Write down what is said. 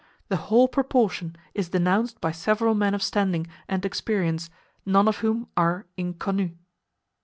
The whole proportion is denounced by several men of standing and experience, none of whom are "inconnu."